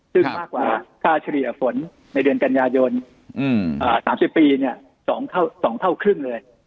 ซึ่งมากกว่าค่าเฉลี่ยฝนในเดือนกันยายน๓๐ปี๒เท่าครึ่งเลย